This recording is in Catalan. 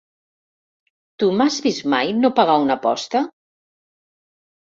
Tu m'has vist mai no pagar una aposta?